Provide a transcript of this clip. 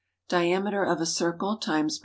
Diameter of a circle ×.